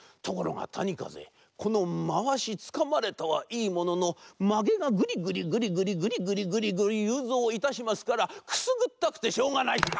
ところがたにかぜこのまわしつかまれたはいいもののまげがぐりぐりぐりぐりぐりぐりぐりぐりゆうぞういたしますからくすぐったくてしょうがない。